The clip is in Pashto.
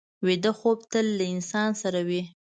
ویده خوب تل له انسان سره وي